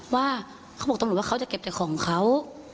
ว่าเขาบอกตำรวจว่าเขาจะเก็บแต่ของเขา